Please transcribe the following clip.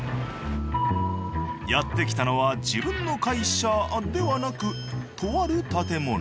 やって来たのは自分の会社ではなくとある建物。